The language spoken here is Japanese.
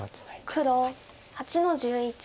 黒８の十一ツギ。